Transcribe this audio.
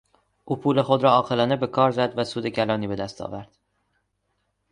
او پول خود را عاقلانه به کار زد و سود کلانی به دست آورد.